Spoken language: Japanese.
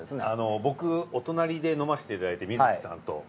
あの僕お隣で飲ませていただいて観月さんと。